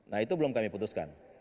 nah itu belum kami putuskan